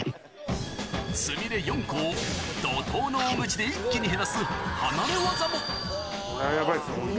つみれ４個を怒とうの大口で一気に減らす離れ業も。